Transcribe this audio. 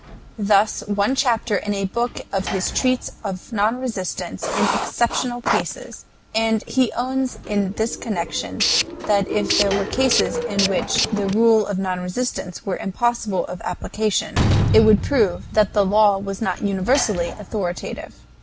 Thus one chapter in a book of his treats of non resistance in exceptional cases, and he owns in this connection that if there were cases in which the rule of non resistance were impossible of application, it would prove that the law was not universally authoritative.